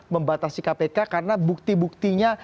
membatasi kpk karena bukti buktinya